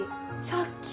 さっき？